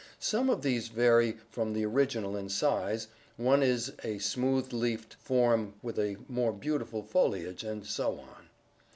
Some of these vary from the original in size, one is a smooth leafed form with a more beautiful foliage, and so on.